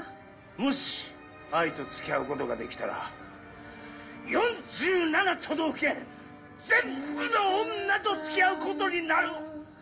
もしアイと付き合うことができたら４７都道府県全部の女と付き合うことになる！